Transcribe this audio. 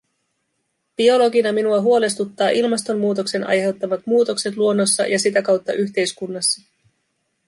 Biologina minua huolestuttaa ilmastonmuutoksen aiheuttamat muutokset luonnossa ja sitä kautta yhteiskunnassa.